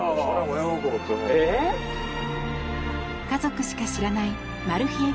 家族しか知らないマル秘